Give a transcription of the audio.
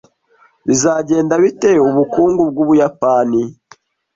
Bizagenda bite ubukungu bw'Ubuyapani?